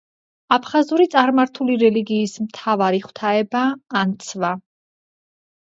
აფხაზური წარმართული რელიგიის მთავარი ღვთაებაა ანცვა.